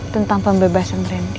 tentang pembebasan brandi